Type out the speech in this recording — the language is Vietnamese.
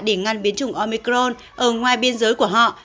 để ngăn biến chủng omicron ở ngoài biên giới của họ